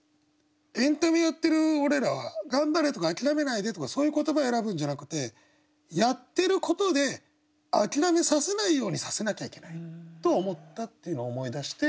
エンタメやってる俺らは「頑張れ」とか「あきらめないで」とかそういう言葉選ぶんじゃなくてやってることであきらめさせないようにさせなきゃいけないと思ったっていうのを思い出して。